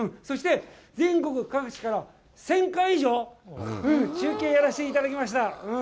そして、全国各地から１０００回以上、中継をやらせていただきました。